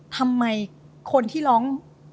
ทำไมคนที่ร้อง